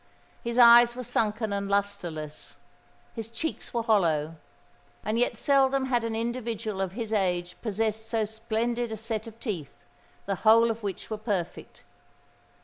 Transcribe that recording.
His eyes were sunken and lustreless: his cheeks were hollow,—and yet seldom had an individual of his age possessed so splendid a set of teeth, the whole of which were perfect.